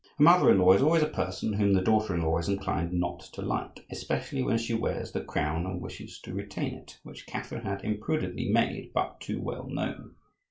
A mother in law is always a person whom the daughter in law is inclined not to like; especially when she wears the crown and wishes to retain it, which Catherine had imprudently made but too well known.